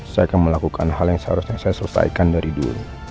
saya akan melakukan hal yang seharusnya saya selesaikan dari dulu